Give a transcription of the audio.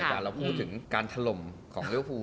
แต่เราพูดถึงการถล่มของลิวฟู